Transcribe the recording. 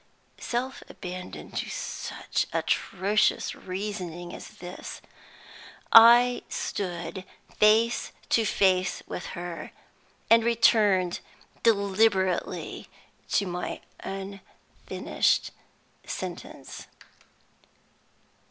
Self abandoned to such atrocious reasoning as this, I stood face to face with her, and returned deliberately to my unfinished sentence.